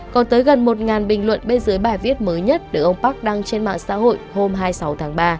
còn tới gần một bình luận bên dưới bài viết mới nhất được ông park đăng trên mạng xã hội hôm hai mươi sáu tháng ba